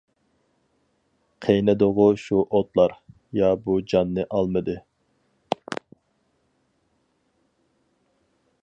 قىينىدىغۇ شۇ ئوتلار، يا بۇ جاننى ئالمىدى.